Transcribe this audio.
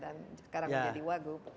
dan sekarang menjadi waguh